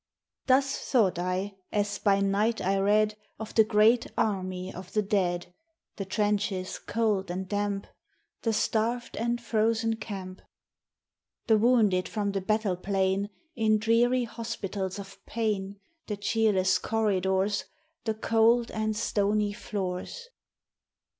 Thus thought I, as by night I read Of the great army of the dead, The trenches cold and damp, The starved and frozen camp, The wounded from the battle plain, In dreary hospitals of pain, The cheerless corridors, The cold and stony floors.